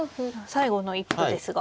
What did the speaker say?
最後の一歩ですが。